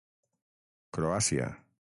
Croàcia.